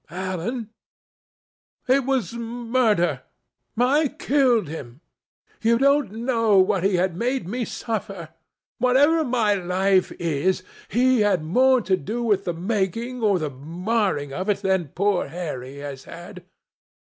"Alan, it was murder. I killed him. You don't know what he had made me suffer. Whatever my life is, he had more to do with the making or the marring of it than poor Harry has had.